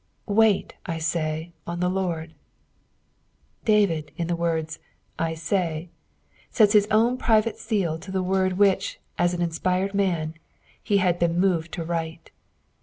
" Wait, I »ay, ontheLord." David, in the words ^'Itay," seta hia own private seal to the word which, aa an inspired mnn, ho had been moved to write.